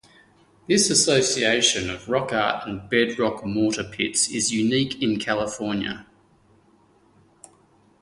This association of rock art and bedrock mortar pits is unique in California.